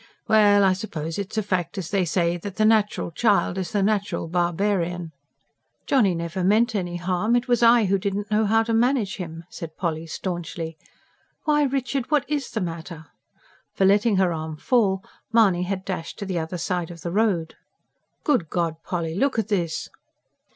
Well, I suppose it's a fact, as they say, that the natural child is the natural barbarian." "Johnny never meant any harm. It was I who didn't know how to manage him," said Polly staunchly. "Why, Richard, what IS the matter?" For letting her arm fall Mahony had dashed to the other side of the road. "Good God, Polly, look at this!"